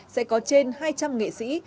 sẽ có trên hai trăm linh nghệ sĩ